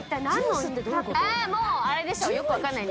もうあれでしょ。